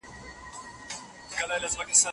د بریا حق یوازي لایقو کسانو ته نه سي سپارل کېدلای.